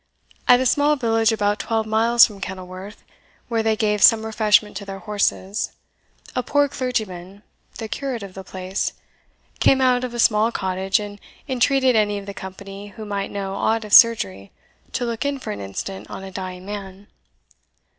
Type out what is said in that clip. At a small village about twelve miles from Kenilworth, where they gave some refreshment to their horses, a poor clergyman, the curate of the place, came out of a small cottage, and entreated any of the company who might know aught of surgery to look in for an instant on a dying man.